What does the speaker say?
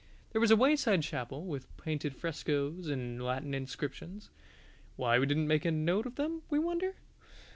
There was a wayside chapel with painted frescoes and Latin inscriptions (why didn't we make a note of them, we wonder?)